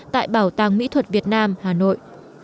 tại bảo tàng mỹ thuật việt nam hà nội